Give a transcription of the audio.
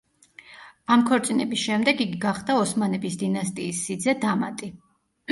ამ ქორწინების შემდეგ იგი გახდა ოსმანების დინასტიის სიძე „დამატი“.